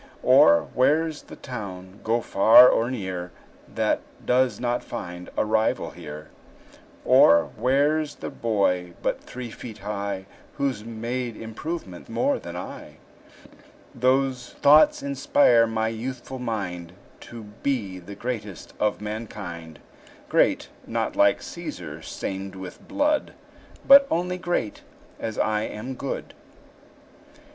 Or, where's the town, go far or near, That does not find a rival here? Or, where 's the boy but three feet high Who's made improvement more than I? Those thoughts inspire my youthful mind To be the greatest of mankind; Great, not like Cæsar, stained with blood; But only great, as I am good.